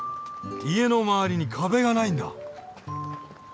家の周りに壁がないんだ。